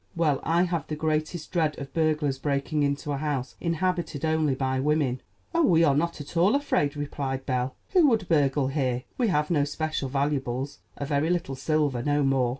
"Well, I have the greatest dread of burglars breaking into a house inhabited only by women." "Oh, we are not at all afraid," replied Belle. "Who would burgle here? We have no special valuables; a very little silver, no more.